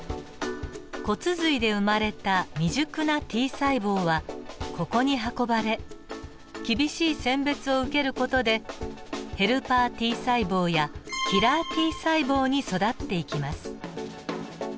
骨髄で生まれた未熟なＴ細胞はここに運ばれ厳しい選別を受ける事でヘルパーＴ細胞やキラーＴ細胞に育っていきます。